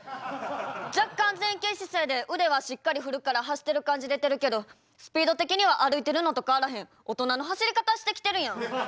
若干前傾姿勢で腕はしっかり振るから走ってる感じ出てるけどスピード的には歩いてるのと変わらへん大人の走り方してきてるやん。